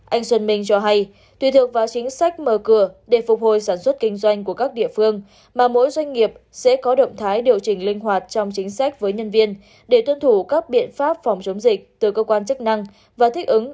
anh xuân minh cho hay tùy thuộc vào chính sách mở cửa để phục hồi sản xuất kinh doanh của các địa phương mà mỗi doanh nghiệp sẽ có động thái điều chỉnh linh hoạt trong chính sách với nhân viên để tuân thủ các biện pháp phòng chống dịch từ cơ quan chức năng và thích ứng